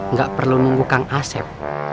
nggak perlu nunggu kang asep